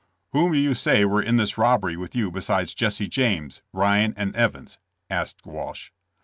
*'Whom do you say were in this robbery with you besides Jesse James, Ryan and Evans?" asked Walsh.